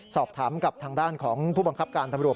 สอบถามกับทางด้านของผู้บังคับการตำรวจ